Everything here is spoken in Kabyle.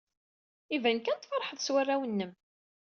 Iban kan tfeṛḥed s warraw-nnem.